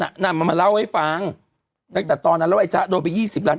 นางมามาเล่าไว้ฟังแต่ตอนนั้นแล้วไอ้จ๊ะโดยไปยี่สิบล้าน